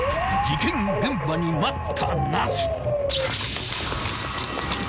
［事件現場に待ったなし！］